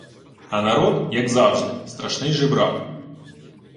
А народ, як завжди, страшний жебрак